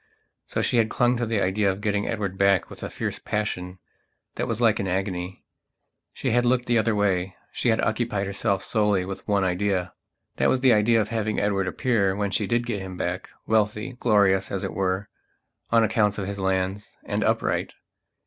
So she had clung to the idea of getting Edward back with a fierce passion that was like an agony. She had looked the other way; she had occupied herself solely with one idea. That was the idea of having Edward appear, when she did get him back, wealthy, glorious as it were, on account of his lands, and upright.